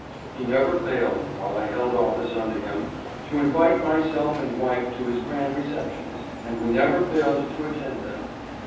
He never failed, while I held office under him, to invite myself and wife to his grand receptions, and we never failed to attend them.